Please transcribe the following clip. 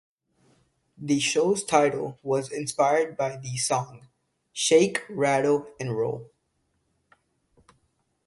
The show's title was inspired by the song "Shake, Rattle and Roll".